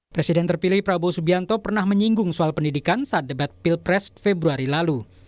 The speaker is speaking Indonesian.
presiden terpilih prabowo subianto pernah menyinggung soal pendidikan saat debat pilpres februari lalu